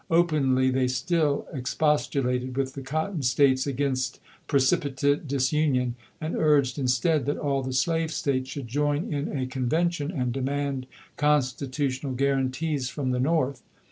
Openly, they still expostulated with the Cotton States against precipitate disunion, and urged instead that all the slave States should join in a conven tion and demand constitutional guarantees from the North.